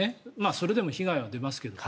それでも被害は出ますけど。